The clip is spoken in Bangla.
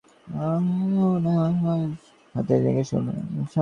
জন্মজন্মান্তরেও আমি এই গুরুতর অপরাধ হইতে নিষ্কৃতি পাইব না।